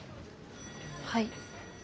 はい。